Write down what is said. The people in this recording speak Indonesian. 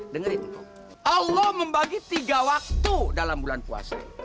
dengerin allah membagi tiga waktu dalam bulan puasa